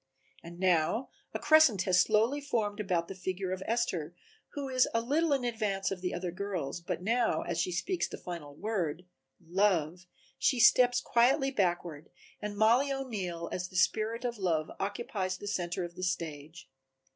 And now a crescent has slowly formed about the figure of Esther who is a little in advance of the other girls, but now as she speaks the final word Love she steps quietly backward and Mollie O'Neill as the spirit of Love occupies the center of the stage.